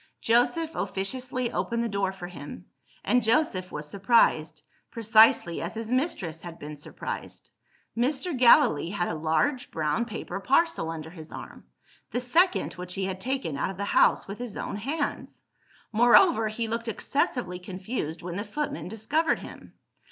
Joseph officiously opened the door for him; and Joseph was surprised, precisely as his mistress had been surprised. Mr. Gallilee had a large brown paper parcel under his arm the second which he had taken out of the house with his own hands! Moreover, he looked excessively confused when the footman discovered him.